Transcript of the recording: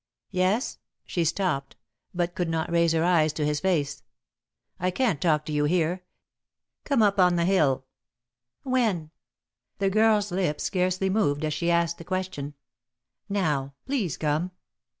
"Yes?" She stopped, but could not raise her eyes to his face. "I can't talk to you here. Come on up the hill." "When?" The girl's lips scarcely moved as she asked the question. "Now. Please come."